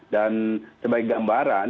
dan sebagai gambaran